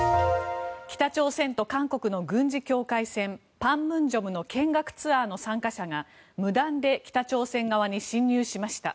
北朝鮮と韓国の軍事境界線板門店の見学ツアーの参加者が無断で北朝鮮側に侵入しました。